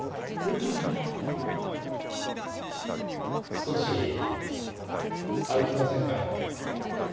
少し歩きませんか？